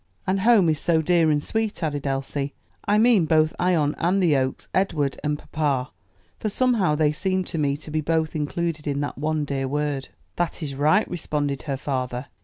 "And home is so dear and sweet," added Elsie. "I mean both Ion and the Oaks, Edward and papa; for somehow they seem to me to be both included in that one dear word." "That is right," responded her father.